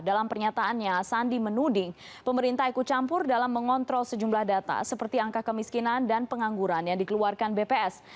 dalam pernyataannya sandi menuding pemerintah ikut campur dalam mengontrol sejumlah data seperti angka kemiskinan dan pengangguran yang dikeluarkan bps